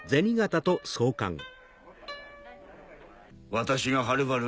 私がはるばる